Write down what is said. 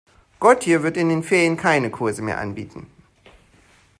Gotje wird in den Ferien keine Kurse mehr anbieten.